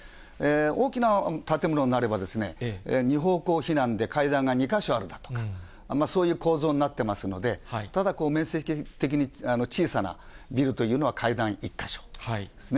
大きな建物になれば、２方向避難で、階段が２か所あるとか、そういう構造になってますので、ただ面積的に小さなビルというのは階段１か所ですね。